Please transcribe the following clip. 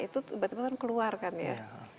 itu tiba tiba kan keluar kan ya